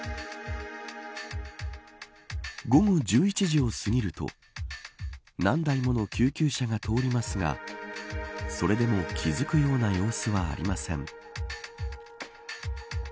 午後１１時を過ぎると何台もの救急車が通りますがそれでも気付くような様子はありません。